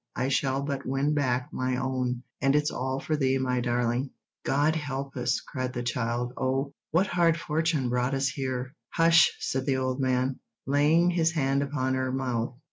I shall but win back my own; and it's all for thee, my darling." "God help us!" cried the child. "Oh, what hard fortune brought us here?" "Hush!" said the old man, laying his hand upon her mouth.